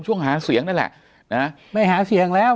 หาเสียงนั่นแหละนะไม่หาเสียงแล้ว